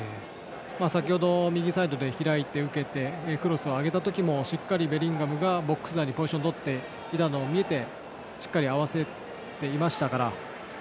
先程、右サイドで開いて受けてクロスを上げた時もしっかりベリンガムがボックス内にポジションとって見えてしっかり合わせていましたから。